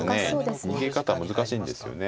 逃げ方難しいんですよね。